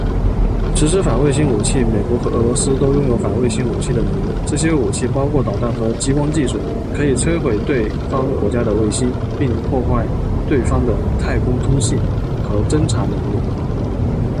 实施反卫星武器：美国和俄罗斯都拥有反卫星武器的能力。这些武器包括导弹和激光技术等，可以摧毁对方国家的卫星，并破坏对方的太空通信和侦察能力。